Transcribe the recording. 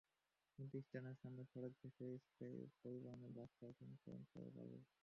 কিন্তু স্ট্যান্ডের সামনে সড়ক ঘেঁষে স্কাইলাইন পরিবহনের বাস পার্কিং করেন চালক বাবুল।